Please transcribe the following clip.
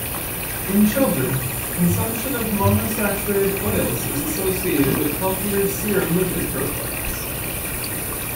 In children, consumption of monounsaturated oils is associated with healthier serum lipid profiles.